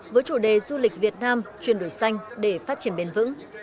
với chủ đề du lịch việt nam chuyển đổi xanh để phát triển bền vững